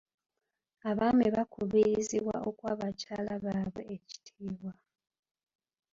Abaami baakubirizibwa okuwa bakyala baabwe ekitiibwa.